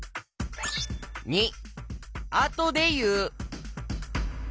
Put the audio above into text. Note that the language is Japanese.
②あとでいう。